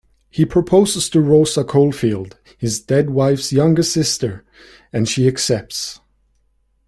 He proposes to Rosa Coldfield, his dead wife's younger sister, and she accepts.